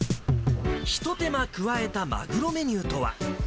ひと手間加えたマグロメニューとは。